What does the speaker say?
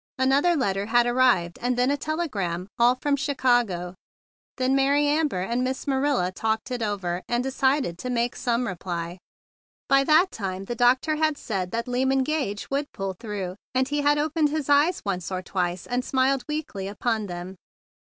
Another letter ar¬ rived, and then a telegram, all from Chi¬ cago. Then Mary Amber and Miss Ma¬ nila talked it over, and decided to make some reply. By that time the doctor had said that Lyman Gage would pull through; and he had opened his eyes once or twice and smiled weakly upon them.